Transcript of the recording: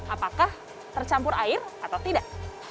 apakah tercampur air atau tidak